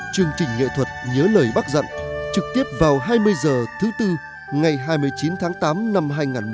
chương trình nghệ thuật nhớ lời bác dặn trực tiếp vào hai mươi h thứ tư ngày hai mươi chín tháng tám năm hai nghìn một mươi chín